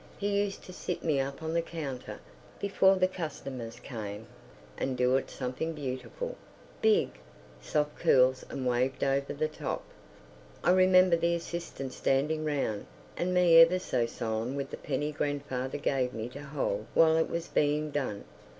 He used to sit me up on the counter, before the customers came, and do it something beautiful—big, soft curls and waved over the top. I remember the assistants standing round, and me ever so solemn with the penny grandfather gave me to hold while it was being done....